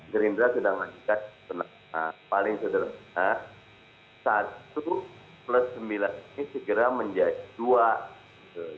gerindra sudah mengajukan paling sederhana satu plus sembilan ini segera menjadi dua gitu